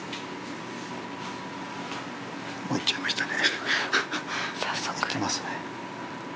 もう行っちゃいましたね。